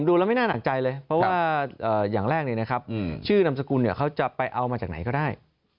ดูแล้วไม่น่าหนักใจเลยเพราะว่าอย่างแรกเลยนะครับชื่อนามสกุลเขาจะไปเอามาจากไหนก็ได้